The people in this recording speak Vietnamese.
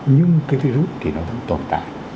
nhưng cái virus thì nó vẫn tồn tại